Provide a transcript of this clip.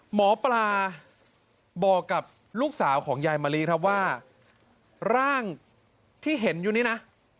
หมอปลาบอกกับลูกสาวของยายมะลิครับว่าร่างที่เห็นอยู่นี่นะ